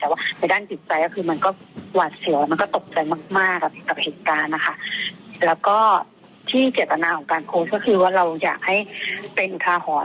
แต่ว่าในด้านจิตใจก็คือมันก็หวาดเสียวมันก็ตกใจมากมากกับเหตุการณ์นะคะแล้วก็ที่เจตนาของการโพสต์ก็คือว่าเราอยากให้เป็นอุทาหรณ์